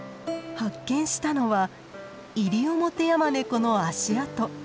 発見したのはイリオモテヤマネコの足跡。